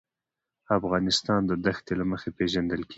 افغانستان د دښتې له مخې پېژندل کېږي.